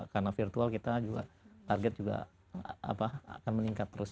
karena virtual kita juga target juga akan meningkat terus